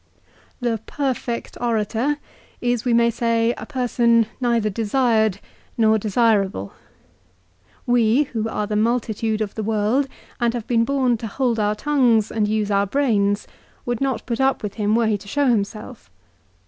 The " perfect orator " is we may say, a person neither desired nor desirable. We, who are the multitude of the world and have been born to hold our tongues and use our brains, would not put up with him were he to show himself.